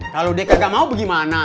kalau dia kagak mau gimana